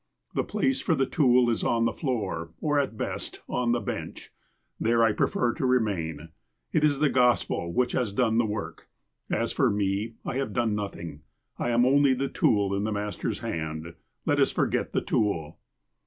The place for the tool is on the floor, or, at best, on the bench. There I prefer to remain. It is the Gospel which has done the work. As for me, I have done nothing. I am only the tool in the Master's hand. Let us forget the tool."